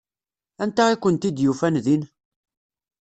Anta i kent-id-yufan din?